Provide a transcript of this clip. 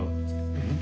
うん。